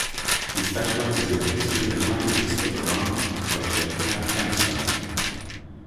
He specialized in the history and the languages of Iran, Russia and Afghanistan.